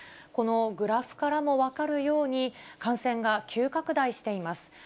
このグラフからも分かるように、感染が急拡大しています。